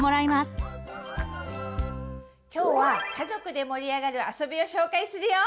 今日は家族で盛り上がるあそびを紹介するよ！